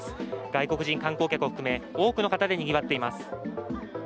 外国人観光客を含め、多くの方でにぎわっています。